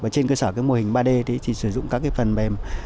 trên cơ sở mô hình ba d thì sử dụng các phần mềm